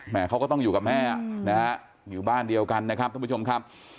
เขาก็ต้องอยู่กับแม่นะฮะอยู่บ้านเดียวกันนะครับท่านผู้ชมครับ